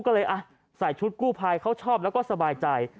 ก็เลยใส่ชุดกู้ภัยเขาชอบแล้วก็สบายใจ